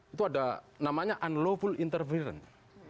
itu ada namanya unlawful interference